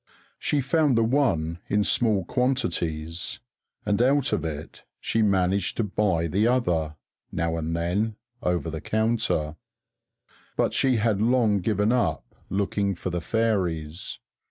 She found the one, in small quantities, and out of it she managed to buy the other, now and then, over the counter. But she had long given up looking for the fairies.